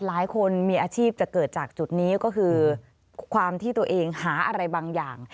หลายคนมีอาชีพจะเกิดจากจุดนี้ก็คือความที่ตัวเองหาอะไรบางอย่าง